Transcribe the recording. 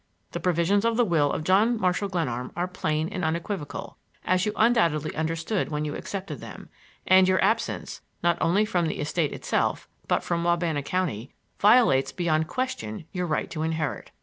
The provisions of the will of John Marshall Glenarm are plain and unequivocal, as you undoubtedly understood when you accepted them, and your absence, not only from the estate itself, but from Wabana County, violates beyond question your right to inherit.